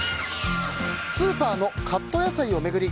スーパーのカット野菜を巡り